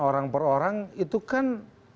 orang per orang itu kan